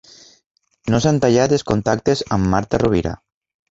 No s'han tallat els contactes amb Marta Rovira.